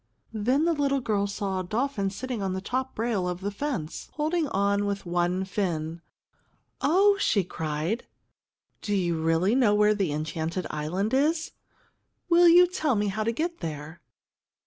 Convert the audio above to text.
Then the little girl saw a dolphin sitting on the top rail of the fence, holding on with one fin. "Oh!" she cried, "do you really know where the 'enchanted island' is? Will you tell me how to get there?"